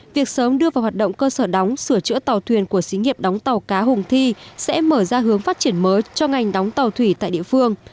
việc sớm đưa vào hoạt động cơ sở đóng sửa chữa tàu thuyền của xí nghiệp đóng tàu cá hùng thi sẽ mở ra hướng phát triển mới cho ngành đóng tàu thủy tại địa phương